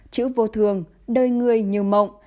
chữ vô thường đời người như mộng